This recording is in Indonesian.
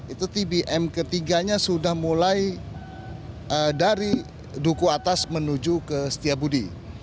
itu tbm ketiganya sudah mulai dari duku atas menuju ke setiabudi